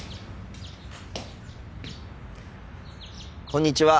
こんにちは。